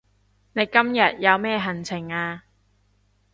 你今日有咩行程啊